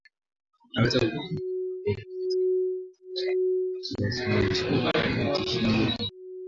unaweza kuwaambukiza wanyama wazima kiafya wanaojisugulia kwenye miti iyo hiyo